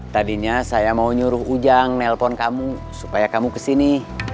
tadinya saya mau nyuruh ujang nelpon kamu supaya kamu kesini